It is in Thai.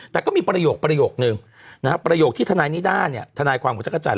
แต่ก็มีประโยคประโยคนึงนะครับประโยคที่ทนายนิด้านี้ทนายความของเจ้าข้าจันทร์